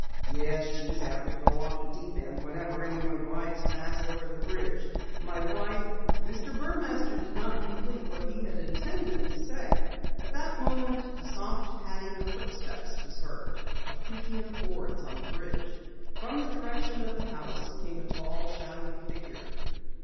"Yes, she's apt to go off the deep end whenever anyone rides fast over the bridge. My wife " Mr. Burmaster did not complete what he had intended to say. At that moment a soft padding of footsteps was heard, a creaking of boards on the bridge. From the direction of the house came a tall, shadowy figure.